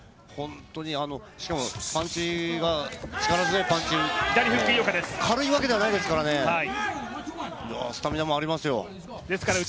しかも、力強いパンチ軽いわけじゃないですからねスタミナもありますよ。